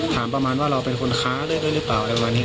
ถามประมาณว่าเราเป็นคนค้าเรื่องแบบนี้หรือเปล่า